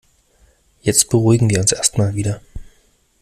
Jetzt beruhigen wir uns erst mal wieder.